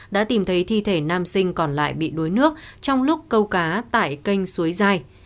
đã tìm thấy thi thể nam sinh còn lại bị đuối nước trong lúc câu cá tại kênh suối giai